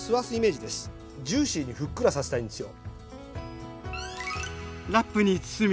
ジューシーにふっくらさせたいんですよ。